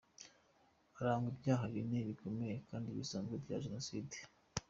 Araregwa ibyaha bine bikomeye kandi bidasaza bya jenoside.